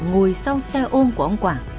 ngồi sau xe ôm của ông quảng